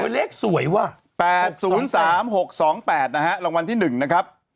เลขสวยว่ะ๘๐๓๖๒๘นะฮะรางวัลที่๑นะครับ